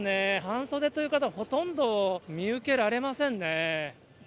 半袖という方、ほとんど見受けられませんね。